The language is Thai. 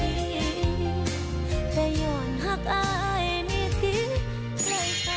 แต่ย้อนหักอายนี้ดี